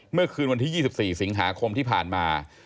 เมื่อคืนวันที่๒๔สิงหาคมที่ผ่านมา